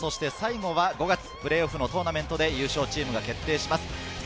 最後は５月、プレーオフのトーナメントで優勝チームが決定します。